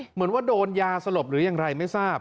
เหมือนว่าโดนยาสลบหรืออย่างไรไม่ทราบ